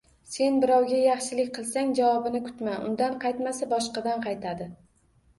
Sen birovga yaxshilik qilsang, javobini kutma. Undan qaytmasa, boshqadan qaytadi.